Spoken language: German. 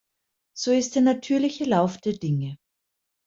So ist der natürliche Lauf der Dinge.